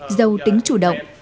giàu tính chủ động